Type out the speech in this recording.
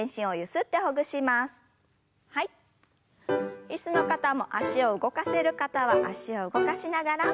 椅子の方も脚を動かせる方は脚を動かしながら。